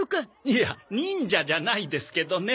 いや忍者じゃないですけどね。